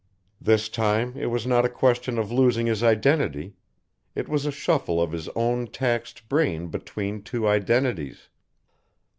This time it was not a question of losing his identity, it was a shuffle of his own taxed brain between two identities.